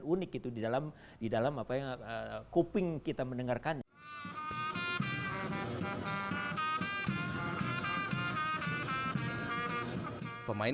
tonik itu didalam didalam apa yang kuping kita mendengarkan ingin